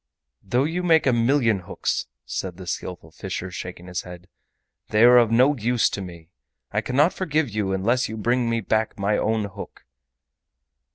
"Though you make a million hooks," said the Skillful Fisher, shaking his head, "they are of no use to me. I cannot forgive you unless you bring me back my own hook."